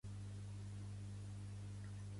La natura no fa salts, deia un axioma medieval.